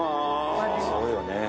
そうよね